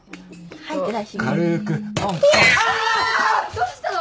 どうしたの！？